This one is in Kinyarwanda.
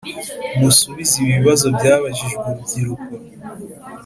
Musubize ibi bibazo byabajijwe urubyiruko